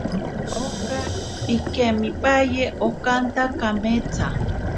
Oka kemipaye okanta kametsa.